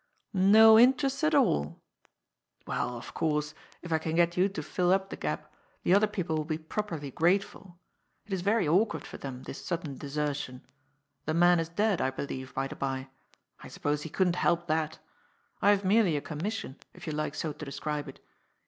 " No interest at all?" " Well, of course, if I can get you to fill up the gap, the other people will be properly grateful. It is very awk ward for them, this sudden desertion. The man is dead, I believe, by the bye. I suppose he couldn't help that. I have merely a commission, if you like so to describe it.